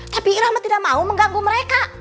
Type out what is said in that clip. tapi irah mah tidak mau mengganggu mereka